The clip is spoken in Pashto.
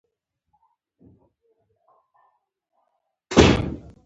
لاهغه ژڼی ژوندی دی، چی ترهوډه قربانیږی